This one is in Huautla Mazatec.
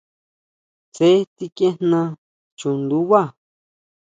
Tsé tsikʼiejna chundubá.